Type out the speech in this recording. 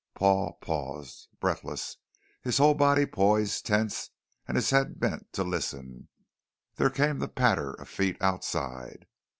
Paul paused, breathless, his whole body poised tense and his head bent to listen. There came the patter of feet outside.